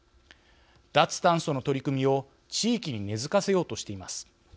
脱炭素の取り組みを地域に根づかせようとしています。